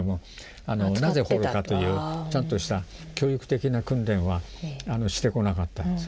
なぜ掘るかというちゃんとした教育的な訓練はしてこなかった。